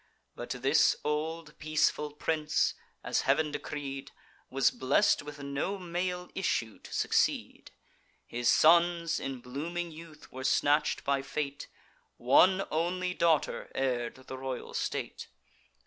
But this old peaceful prince, as Heav'n decreed, Was blest with no male issue to succeed: His sons in blooming youth were snatch'd by fate; One only daughter heir'd the royal state.